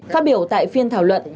phát biểu tại phiên thảo luận